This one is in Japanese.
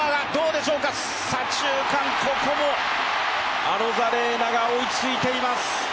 左中間、ここもアロザレーナが追いついています。